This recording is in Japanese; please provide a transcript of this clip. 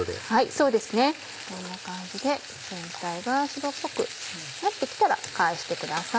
そうですねこんな感じで全体が白っぽくなって来たら返してください。